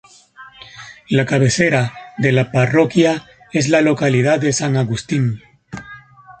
La cabecera de la parroquia es la localidad de San Agustín.